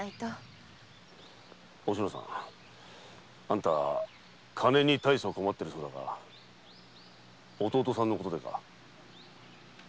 おしのさんあんた金に困ってるそうだが弟さんのことでか？